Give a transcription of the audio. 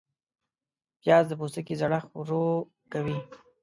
پیاز د پوستکي زړښت ورو کوي